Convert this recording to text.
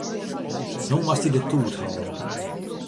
No moatst dy de toet hâlde.